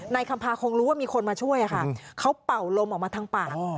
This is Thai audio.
คำพาคงรู้ว่ามีคนมาช่วยค่ะเขาเป่าลมออกมาทางปาก